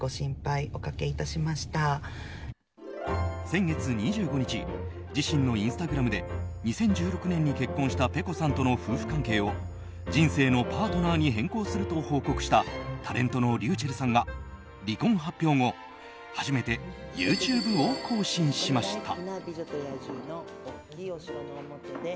先月２５日自身のインスタグラムで２０１６年に結婚したｐｅｃｏさんとの夫婦関係を人生のパートナーに変更すると報告したタレントのｒｙｕｃｈｅｌｌさんが離婚発表後、初めてＹｏｕＴｕｂｅを更新しました。